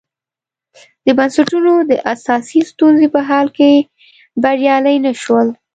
د بنسټونو د اساسي ستونزو په حل کې بریالي نه شول.